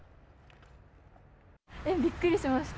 びっくりしました。